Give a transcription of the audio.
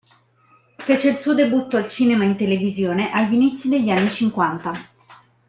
Fece il suo debutto al cinema e in televisione agli inizi degli anni cinquanta.